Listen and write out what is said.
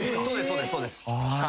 そうですそうです。